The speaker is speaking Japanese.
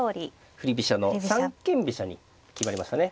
振り飛車の三間飛車に決まりましたね。